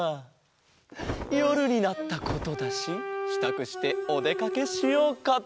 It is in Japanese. よるになったことだししたくしておでかけしようか。